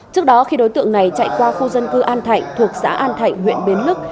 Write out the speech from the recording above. trước đó khi đối tượng này chạy qua khu dân cư an thạnh thuộc xã an thạnh huyện bến lức